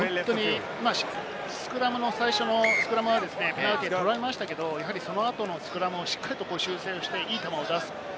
スクラムの、最初のスクラムはペナルティー取られましたが、その後のスクラムをしっかり修正して、いい球を出す。